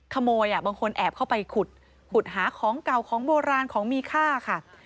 บางคนแอบเข้าไปขุดขุดหาของเก่าของโบราณของมีค่าค่ะ